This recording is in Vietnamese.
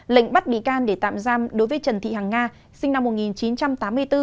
lệnh bắt bị can để tạm giam đối với trần thị hằng nga sinh năm một nghìn chín trăm tám mươi bốn